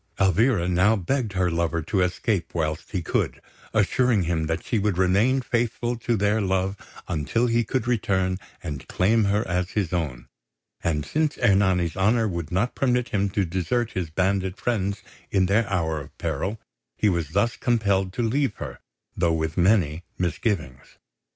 Elvira now begged her lover to escape whilst he could, assuring him that she would remain faithful to their love until he could return and claim her as his own; and since Ernani's honour would not permit him to desert his bandit friends in their hour of peril, he was thus compelled to leave her, though with many misgivings.